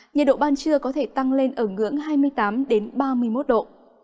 nhiệt độ ban trưa có thể tăng lên ở ngưỡng hai mươi tám ba mươi một độ